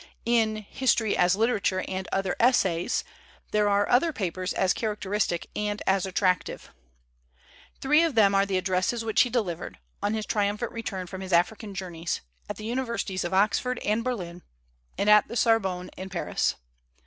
In ' History as Literature and Other Essays/ there are other papers as characteristic and as attractive. Three of them are the .addresses which he delivered (on i ifl triumphant re turn from his African journeys) at the Universities of Oxford and Berlin and at the Sorbonne in Paris.